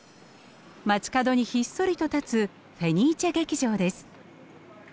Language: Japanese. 街角にひっそりと立つフェニーチェ劇場です。